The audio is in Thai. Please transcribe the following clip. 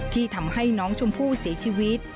ที่ทำให้น้องชมพู่เสียชีวิต